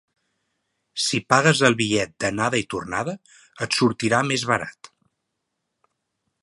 Si pagues el bitllet d'anada i tornada, et sortirà més barat.